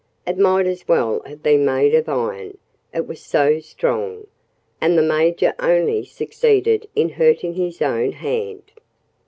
It might as well have been made of iron, it was so strong. And the Major only succeeded in hurting his own hand.